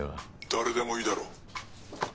誰でもいいだろう。